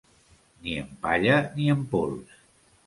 Ni en palla ni en pols.